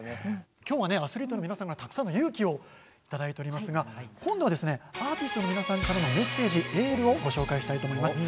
きょうは、アスリートの皆さんから、たくさんの勇気をいただいておりますが今度はアーティストの皆さんからのメッセージエールをご紹介したいと思います。